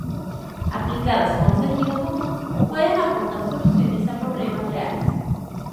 Aplicadas con sentido común, pueden aportar soluciones a problemas reales.